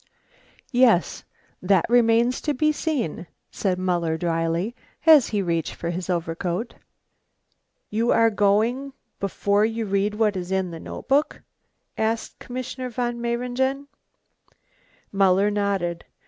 "Yes, that remains to be seen," said Muller dryly, as he reached for his overcoat. "You are going before you read what is in the notebook?" asked Commissioner von Mayringen. Muller nodded.